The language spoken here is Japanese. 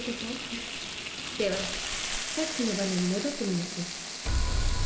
フフッではさっきの場面に戻ってみましょう。